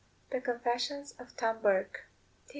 ] THE CONFESSIONS OF TOM BOURKE. T.